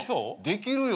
できるよ。